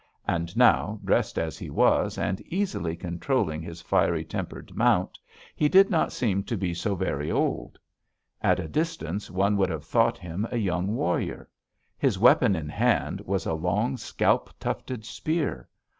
And now, dressed as he was, and easily controlling his fiery tempered mount, he did not seem to be so very old; at a distance one would have thought him a young warrior. His weapon in hand was a long, scalp tufted spear.